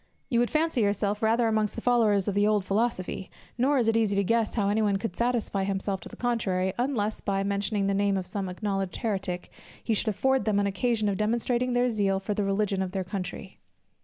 You would fancy yourself rather amongst the followers of the old philosophy; nor is it easy to guess how any one could satisfy himself to the contrary, unless, by mentioning the name of some acknowledged heretic, he should afford them an occasion of demonstrating their zeal for the religion of their country.